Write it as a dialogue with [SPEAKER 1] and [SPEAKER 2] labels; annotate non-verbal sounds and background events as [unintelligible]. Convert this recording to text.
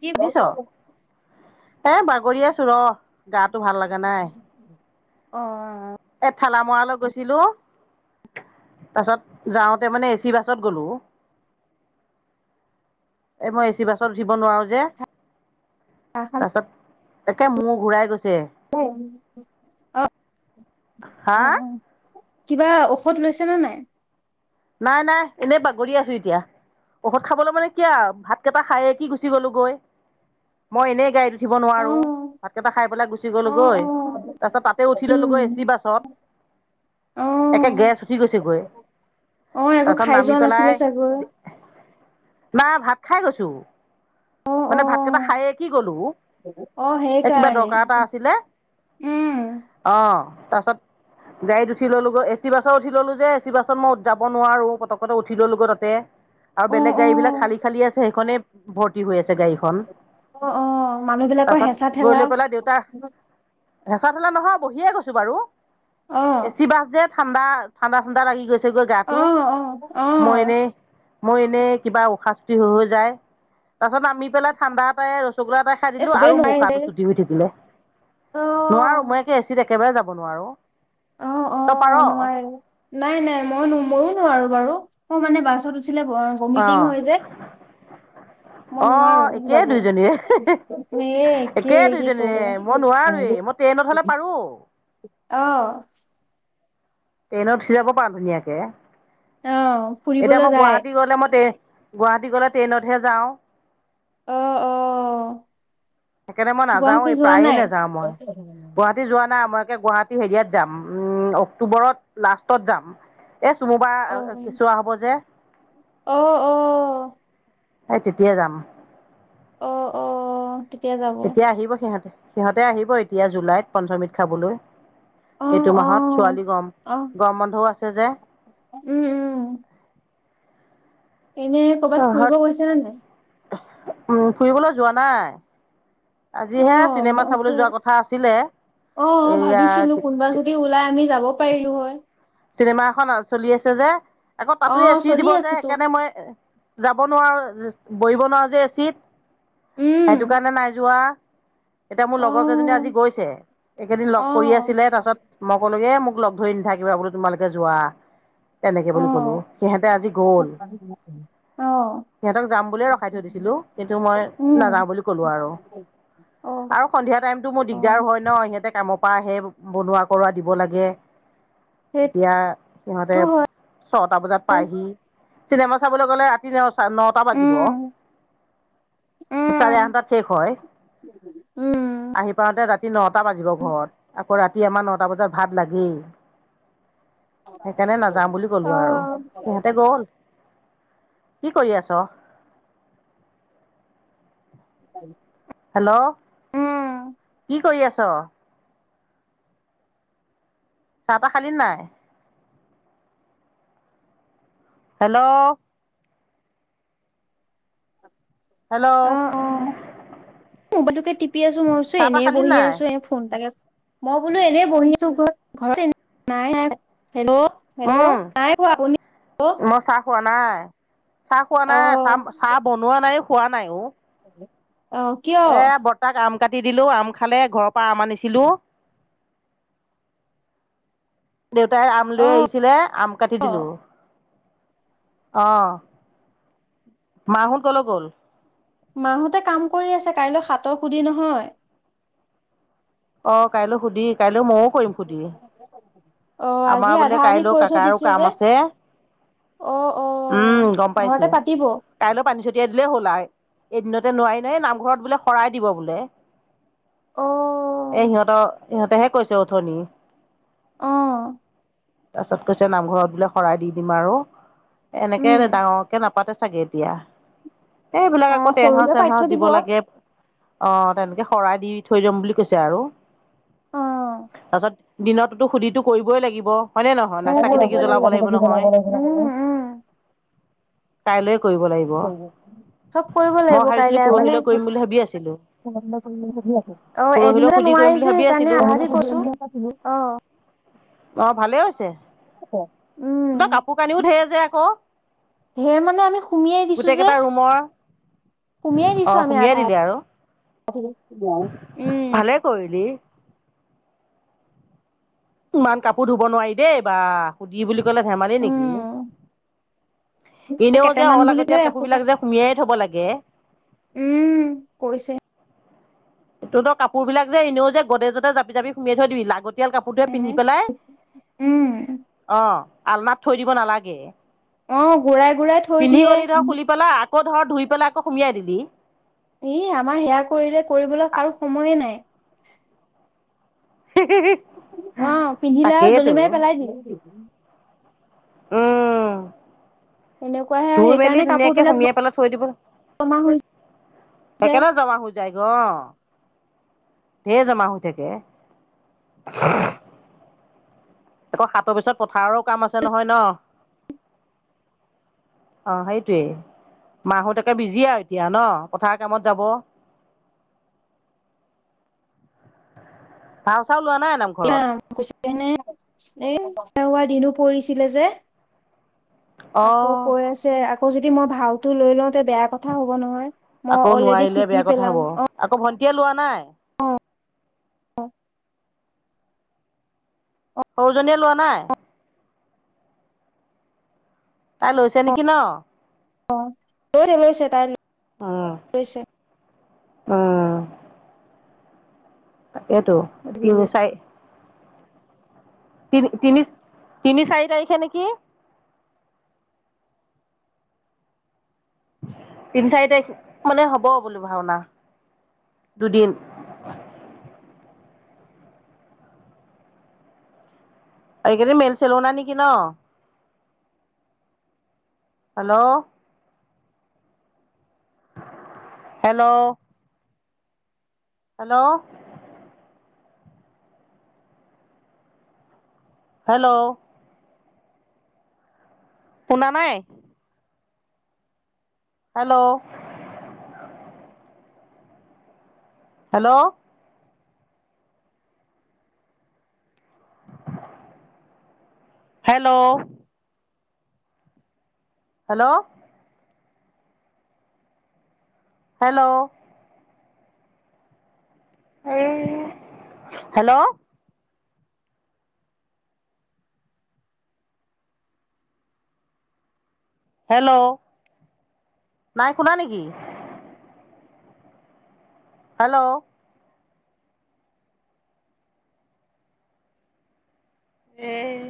[SPEAKER 1] কি অ
[SPEAKER 2] সুনিছ? এই বাগৰি আছো ৰ গাটো ভাল লাগা নাই।
[SPEAKER 1] অ অ অ
[SPEAKER 2] এ থেলামৰালৈ গৈছিলো তাৰছত যাওঁতে মানে এচি বাছত গ'লো- এই মই এ চি বাছত উঠিব নোৱাৰোঁ যে-
[SPEAKER 1] চাহ খালে
[SPEAKER 2] তাছত একে মোৰ ঘূৰাই গৈছে।
[SPEAKER 1] অ
[SPEAKER 2] হা
[SPEAKER 1] অ কিবা ঔষধ লৈছে নে নাই?
[SPEAKER 2] নাই নাই এনেই বাগৰিয়ে আছো এতিয়া। ঔষধ খাবলৈ মানে কি আউ ভাত কেইটা খাইয়ে উঠি গুচি গলো গৈ মই এনেই গাড়িত উঠিব
[SPEAKER 1] অ
[SPEAKER 2] নোৱাৰো ভাতকেইটা খাই পেলাই গুচি
[SPEAKER 1] অ
[SPEAKER 2] গলোগৈ।
[SPEAKER 1] অ
[SPEAKER 2] তাৰপিছত তাতে উঠি
[SPEAKER 1] উম
[SPEAKER 2] ললোগৈ এ চি বাছত
[SPEAKER 1] অ
[SPEAKER 2] একে গেছ উঠি গৈছেগৈ।
[SPEAKER 1] অ একো
[SPEAKER 2] তাৰ পিছত
[SPEAKER 1] খাই
[SPEAKER 2] নামি
[SPEAKER 1] যোৱা নাছিলে
[SPEAKER 2] পেলাই,
[SPEAKER 1] চাগৈ
[SPEAKER 2] না ভাত খাই গৈছো।
[SPEAKER 1] অ অ
[SPEAKER 2] মানে ভাতকেইটা খাইয়ে উঠি গ'লো।
[SPEAKER 1] অ
[SPEAKER 2] এই কিবা
[SPEAKER 1] সেইকাৰণে
[SPEAKER 2] দৰকাৰ
[SPEAKER 1] উম
[SPEAKER 2] অ তাৰপাছত গাড়ীত উঠি ললোগৈ এচি বাছত উঠি ললো যে, এ চি বাছত মই যাব নোৱাৰো পটকতে উঠি ললোগৈ তাতে
[SPEAKER 1] অ
[SPEAKER 2] বেলেগ
[SPEAKER 1] অ
[SPEAKER 2] গাড়ী বিলাক খালী খালী আছে সেইখনেই ভৰ্তি হৈ আছে গাড়ীখন।
[SPEAKER 1] অ অ মানুহ বিলাকৰ
[SPEAKER 2] তাৰছত
[SPEAKER 1] হেঁচা
[SPEAKER 2] গৈ
[SPEAKER 1] ঠেলা
[SPEAKER 2] লৈ পেলাই দেউতা হেঁচা ঠেলা নহয় বহিয়ে গৈছো বাৰু
[SPEAKER 1] অ
[SPEAKER 2] এচি বাছ যে- ঠাণ্ডা ঠাণ্ডা ঠাণ্ডা লাগি গৈছে গৈ
[SPEAKER 1] অ
[SPEAKER 2] গাটো
[SPEAKER 1] অ অ
[SPEAKER 2] মই এনেই মোৰ এনেই কিবা উশাহ চুতি হৈ-হৈ যায় তাৰপাছত নামি পেলাই ঠাণ্ডা এটাই, ৰসগোল্লা এটাই খাই
[SPEAKER 1] এই
[SPEAKER 2] দিলো
[SPEAKER 1] চবেই
[SPEAKER 2] আৰু মোৰ
[SPEAKER 1] নোৱাৰে যে
[SPEAKER 2] উশাহটো চুটি হৈ থাকিলে। নোৱাৰো
[SPEAKER 1] অ
[SPEAKER 2] মই একে এ চিত একেবাৰে যাব নোৱাৰো।
[SPEAKER 1] অ- অ নোৱাৰে। নাই নাই মই ময়ো নোৱাৰো বাৰু মই মানে বাছত উঠিলে ব বমিটিং হয় যে মই
[SPEAKER 2] [unintelligible] অ
[SPEAKER 1] নোৱাৰো
[SPEAKER 2] একে
[SPEAKER 1] যাব
[SPEAKER 2] দুইজনীৰে
[SPEAKER 1] এ
[SPEAKER 2] একে
[SPEAKER 1] কি কব
[SPEAKER 2] দুইজনীৰে মই নোৱাৰোৱেই মই ট্ৰেইনত হ'লে পাৰোঁ
[SPEAKER 1] অ
[SPEAKER 2] ট্ৰেইনত উঠি যাব পাৰো ধুনীয়াকে
[SPEAKER 1] অ
[SPEAKER 2] এতিয়া
[SPEAKER 1] ফুৰিবলৈ
[SPEAKER 2] মই
[SPEAKER 1] যায়
[SPEAKER 2] গুৱাহাটী গ'লে মই ট্ৰে গুৱাহাটী গ'লে ট্ৰেইনতহে যাওঁ
[SPEAKER 1] অ অ
[SPEAKER 2] সেইকাৰণে মই নাযাও
[SPEAKER 1] গুৱাহাটী
[SPEAKER 2] এই
[SPEAKER 1] যোৱা
[SPEAKER 2] প্ৰায়ে
[SPEAKER 1] নাই
[SPEAKER 2] নাযাওঁ মই গুৱাহ টী যোৱা নাই মই একে গুৱাহাটী হেৰিয়াত যাম উম অক্টোবৰত লাষ্টত যাম এই
[SPEAKER 1] অ
[SPEAKER 2] চুমবাৰ কেঁচুৱা হ'ব যে
[SPEAKER 1] অ অ
[SPEAKER 2] এই তেতিয়া যাম
[SPEAKER 1] অ অ তেতিয়া যাব
[SPEAKER 2] এতিয়া আহিব সিহঁতে। সিহঁতে আহিব এতিয়া জুলাইত পঞ্চমৃত খাবলৈ।
[SPEAKER 1] অ
[SPEAKER 2] এইটো
[SPEAKER 1] অ
[SPEAKER 2] মাহত ছোৱালীৰ গৰম,
[SPEAKER 1] অ
[SPEAKER 2] গৰম বন্ধও আছে যে।
[SPEAKER 1] উম, উম। এনে ক'ৰবাত
[SPEAKER 2] সিহঁত
[SPEAKER 1] ফুৰিব গৈছা নে নাই?
[SPEAKER 2] উম, ফুৰিবলৈ যোৱা নাই। আজিহে চিনেমা চাবলৈ
[SPEAKER 1] অ
[SPEAKER 2] যোৱাৰ কথা আছিলে। এইয়া
[SPEAKER 1] সি ওলাই আমি যাব পাৰিলোঁ হয়।
[SPEAKER 2] চিনেমা এখন আ চলি আছে যে, আকৌ তাতো
[SPEAKER 1] অ
[SPEAKER 2] এ চি
[SPEAKER 1] চলি
[SPEAKER 2] দিব যে,
[SPEAKER 1] আছে তো
[SPEAKER 2] সেইকাৰণে মই যাব নোৱাৰো, বহিব নোৱাৰো যে এ চিত
[SPEAKER 1] উম
[SPEAKER 2] সেইটোকাৰণে নাই যোৱা। এতিয়া মোৰ
[SPEAKER 1] অ
[SPEAKER 2] লগৰ কেইজনী আজি গৈছে। এইকেইদিন লগ
[SPEAKER 1] অ
[SPEAKER 2] কৰি আছিলে। তাৰপিছত মই ক'লোগে, মোক লগ ধৰি নাথাকিবা বোলো, তোমালোকে যোৱা, তেনেকে
[SPEAKER 1] অ
[SPEAKER 2] বুলি সিহঁতে আজি গ'ল।
[SPEAKER 1] অ
[SPEAKER 2] সিহঁতক যাম বুলিয়ে ৰখাই থৈ দিছিলোঁ। কিন্তু মই
[SPEAKER 1] উম
[SPEAKER 2] নাযাওঁ বুলি ক'লোঁ আৰু।
[SPEAKER 1] অ
[SPEAKER 2] আৰু সন্ধিয়া টাইমটো মোৰ
[SPEAKER 1] অ
[SPEAKER 2] দিগদাৰ হয় ন। সিহঁতে কামৰ পৰা আহে, বনোৱা-কৰোৱা দিব লাগে।
[SPEAKER 1] সেইটো
[SPEAKER 2] এতিয়া সিহঁতে
[SPEAKER 1] হয়
[SPEAKER 2] ছটা বজাত পায়হি। চিনেমা চাবলৈ গ'লে চিনেমা চাই নটা বাজিব।
[SPEAKER 1] উম
[SPEAKER 2] চাৰে
[SPEAKER 1] উম
[SPEAKER 2] আঠটাত শেষ হয়।
[SPEAKER 1] উম
[SPEAKER 2] আহি পাওঁতে ৰাতি ৰাতি নটা বাজিব ঘৰত। আকৌ ৰাতি আমাৰ নটা বজাত ভাত লাগেই। সেইকাৰণে নাযাওঁ বুলি
[SPEAKER 1] অ
[SPEAKER 2] ক'লোঁ আৰু, সিহঁতে গ'ল। কি কৰি আছ?
[SPEAKER 1] [unintelligible]
[SPEAKER 2] হেল্ল',
[SPEAKER 1] উম
[SPEAKER 2] কি কৰি আছ? চাহ-তাহ খালী নে নাই? হেল্ল', হেল্ল',
[SPEAKER 1] ম'বাইলটোকে টিপি আছোঁ। মই ভাবিছোঁ,
[SPEAKER 2] চাহ তাহ
[SPEAKER 1] এনেই
[SPEAKER 2] খালি
[SPEAKER 1] বহি
[SPEAKER 2] নাই
[SPEAKER 1] আছো এ, ফোন এটাকে কৰোঁ। মই বোলো এনেই বহি নোখোৱাও দেই ঘৰত। নাই, নাই হেল্ল' হেল্ল',
[SPEAKER 2] উম,
[SPEAKER 1] নাই পোৱা শুনি আকৌ।
[SPEAKER 2] মই চাহ খোৱা নাই, চাহ খোৱা নাই।
[SPEAKER 1] অ
[SPEAKER 2] চাহ-চাহ বনোৱা নাই, খোৱা নাই।
[SPEAKER 1] অ', কিয়
[SPEAKER 2] এ, বৰ্তাক আম কাটি দিলোঁ। আম খালে, ঘৰৰ পৰা আম আনিছিলোঁ। দেউতাই আম লৈ
[SPEAKER 1] অ
[SPEAKER 2] আহিছিলে, আম কাটি
[SPEAKER 1] অ
[SPEAKER 2] দিলোঁ। অ', মা হ'ত ক'লৈ গ'ল?
[SPEAKER 1] মা হতে কাম কৰি আছে। কাইলৈ সাতৰ সুধি নহয়।
[SPEAKER 2] অ', কাইলৈ সুধি, কাইলৈ ময়ো কৰিম সুধি।
[SPEAKER 1] অ আজি
[SPEAKER 2] আমাৰ বোলে
[SPEAKER 1] আধা আধি
[SPEAKER 2] কাইলৈ
[SPEAKER 1] কৰি থৈ
[SPEAKER 2] কাকাৰো
[SPEAKER 1] দিছে যে
[SPEAKER 2] কাম আছে।
[SPEAKER 1] অ',
[SPEAKER 2] উম,
[SPEAKER 1] অ',
[SPEAKER 2] গম পাইছো।
[SPEAKER 1] ঘৰতে পাতিব।
[SPEAKER 2] কাইলৈ পানী ছটিয়াই দিলেই হ'ল আৰু। এদিনতে নোৱাৰি নহয়, নামঘৰত বোলে শৰাই দিব বোলে।
[SPEAKER 1] অ',
[SPEAKER 2] এ, সিহঁতৰ, সিহঁতেহে কৈছে অথনি।
[SPEAKER 1] অ',
[SPEAKER 2] তাৰ পাছত কৈছে, নামঘৰত বোলে শৰাই দি দিম আৰু। এনেকে
[SPEAKER 1] উম
[SPEAKER 2] ডাঙৰকে নাপাতে। চাগে এতিয়া। এইবিলাক
[SPEAKER 1] অ
[SPEAKER 2] আকৌ
[SPEAKER 1] সৰুকে পাতি থৈ
[SPEAKER 2] টেণ্টহাউছ-চেনহাউছ দিব লাগে। অ', তেনেকে শৰাই দি থৈ যাম বুলি কৈছে কৈছে আৰু।
[SPEAKER 1] অ
[SPEAKER 2] তাৰপিছত দিনততো সুধিতো কৰিবই লাগিব। হয়নে নহয়
[SPEAKER 1] এ
[SPEAKER 2] না চাকি
[SPEAKER 1] কৰিব
[SPEAKER 2] টাকি জ্বলাব লাগিব নহয়
[SPEAKER 1] উম উম
[SPEAKER 2] কাইলৈ কৰিব লাগিব
[SPEAKER 1] চব কৰিব
[SPEAKER 2] মই
[SPEAKER 1] লাগিব
[SPEAKER 2] ভাবিছিলোঁ
[SPEAKER 1] কাইলে মানে
[SPEAKER 2] পৰহিলৈ
[SPEAKER 1] অ
[SPEAKER 2] কৰিম বুলি ভাবি আছিলোঁ পৰহিলৈ
[SPEAKER 1] এদিনে
[SPEAKER 2] সুধি কৰিম
[SPEAKER 1] নোৱাৰি
[SPEAKER 2] বুলি
[SPEAKER 1] যে
[SPEAKER 2] ভাবি
[SPEAKER 1] সেইকাৰণে
[SPEAKER 2] আছিলোঁ
[SPEAKER 1] আজি কৰিছো অ
[SPEAKER 2] অ ভালেই হৈছে
[SPEAKER 1] উম
[SPEAKER 2] বাৰ কাপোৰ কানিও ঢেৰ যে আকৌ
[SPEAKER 1] ঢেৰ মানে আমি সুমিয়াই দিছো যে
[SPEAKER 2] গোটেইকেইটা ৰুমৰ
[SPEAKER 1] সুমিয়াই
[SPEAKER 2] অ
[SPEAKER 1] দিছো আমি
[SPEAKER 2] সুমিয়াই
[SPEAKER 1] আধা
[SPEAKER 2] দিলি আৰু
[SPEAKER 1] উম
[SPEAKER 2] ভালে কৰিলি ইমান কাপোৰ ধুব নোৱাৰি দেই বা সুধি বুলি কলে ধেমালি নিকি
[SPEAKER 1] উম
[SPEAKER 2] এনেও যে
[SPEAKER 1] কেইটামান বুলি লৈ
[SPEAKER 2] অলাগতীয়াল কাপোৰ
[SPEAKER 1] এসোপা
[SPEAKER 2] বিলাক যে সুমিয়াই থব লাগে
[SPEAKER 1] উম কৰিছে
[SPEAKER 2] তহ তই কাপোৰ বিলাক যে এনেও যে গদ্ৰেজতে জাপি জাপি সোমাই থৈ দিবি লাগতিয়াল কাপোৰটোৱে
[SPEAKER 1] এনে
[SPEAKER 2] পিন্ধি পেলাই
[SPEAKER 1] উম
[SPEAKER 2] অ আলনাত থৈ দিব নালাগে
[SPEAKER 1] অ গুৰাই গুৰাই থৈ
[SPEAKER 2] পিন্ধি
[SPEAKER 1] দিয়ে
[SPEAKER 2] গলি ধৰ খুলি পেলা আকৌ ধৰক ধুই পেলাই আকৌ সুমিয়াই দিলি
[SPEAKER 1] ই আমাৰ সেয়া কৰিলে কৰিবলৈ কাৰু সময়ে নাই
[SPEAKER 2] [unintelligible]
[SPEAKER 1] অ পিন্ধিলে আৰু
[SPEAKER 2] তাকেইতো
[SPEAKER 1] দলিমাৰি পেলাই দি
[SPEAKER 2] উম
[SPEAKER 1] তেনেকুৱাহে আৰু
[SPEAKER 2] ধুই মেলি
[SPEAKER 1] সেইকাৰণে কাপোৰ
[SPEAKER 2] ধুনীয়াকে
[SPEAKER 1] বিলাক
[SPEAKER 2] সুমিয়াই পেলাই থৈ দিব
[SPEAKER 1] জমা হৈ যায়
[SPEAKER 2] একেলগে জমা হৈ যাই গ ঢেৰ জমা হৈ থাকে আকৌ হাতৰ পিছত পথাৰো কাম আছে নহয় ন অ সেইটোৱে মা হত একে বিজি আউ এতিয়া ন পথাৰ কামত যাব ভাও চাও লোৱা নাই নাম
[SPEAKER 1] [unintelligible] নে এই দিনো পৰিছিলে যে আকৌ
[SPEAKER 2] অঁ
[SPEAKER 1] কৈ আছে আকৌ যদি মই ভাওটো লৈ লওঁ তে বেয়া কথা হব নহয় মই
[SPEAKER 2] আকৌ
[SPEAKER 1] অলৰেডি
[SPEAKER 2] নোৱাৰিলে
[SPEAKER 1] শিকি
[SPEAKER 2] বেয়া কথা
[SPEAKER 1] পেলাম
[SPEAKER 2] হব
[SPEAKER 1] অ
[SPEAKER 2] আকৌ ভণ্টিয়ে লোৱা নাই
[SPEAKER 1] অ
[SPEAKER 2] সৰু জনীয়ে লোৱা নাই তাই লৈছে নেকি ন
[SPEAKER 1] অ লৈছে লৈছে তাই
[SPEAKER 2] অ
[SPEAKER 1] লৈছে
[SPEAKER 2] এইটো [unintelligible] চাই তিন তিনি তিনি চাৰি তাৰিখে নেকি তিন চাৰি তাৰিখ মানে হ'ব বুলো ভাওনা দুদিন আৰু এইকেইদিন মেল চেলো নাই নেকি ন হেল্ল', হেল্ল' হেল্ল' হেল্ল' শুনা নাই? Hello hello hello hello! Hello! এই হেল্ল'! হেল্ল'! নাই শুনা নেকি? হেল্ল'! এই